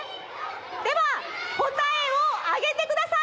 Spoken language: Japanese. ではこたえをあげてください！